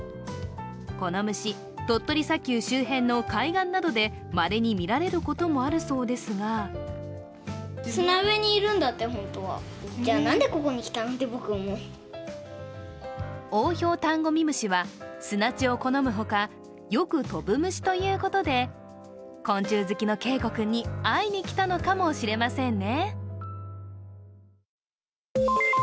この虫、鳥取砂丘周辺の海岸などでまれに見られることもあるそうですがオオヒョウタンゴミムシは砂地を好むほかよく飛ぶ虫ということで昆虫好きの恵梧君に会いに来たのかもしれませんね。